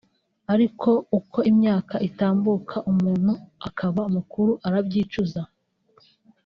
Ariko uko imyaka itambuka umuntu akaba mukuru arabyicuza